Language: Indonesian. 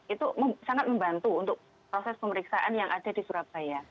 itu sangat membantu untuk proses pemeriksaan yang ada di surabaya